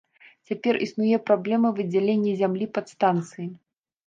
Цяпер існуе праблема выдзялення зямлі пад станцыі.